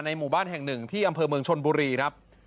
หมู่บ้านแห่งหนึ่งที่อำเภอเมืองชนบุรีครับ